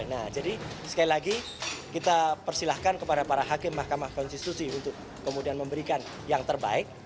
nah jadi sekali lagi kita persilahkan kepada para hakim mahkamah konstitusi untuk kemudian memberikan yang terbaik